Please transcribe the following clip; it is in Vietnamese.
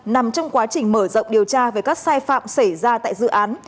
nằm trong quá trình mở rộng điều tra về các sai phạm xảy ra tại dự án